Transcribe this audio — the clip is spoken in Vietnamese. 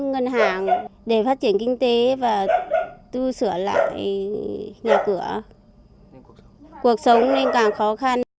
ngân hàng để phát triển kinh tế và tu sửa lại nhà cửa cuộc sống nên càng khó khăn